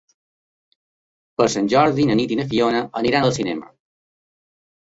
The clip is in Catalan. Per Sant Jordi na Nit i na Fiona aniran al cinema.